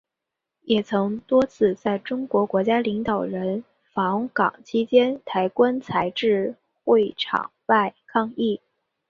也曾多次在中国国家领导人访港期间抬棺材至会场外抗议。